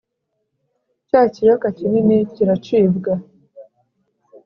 Cya kiyoka kinini kiracibwa,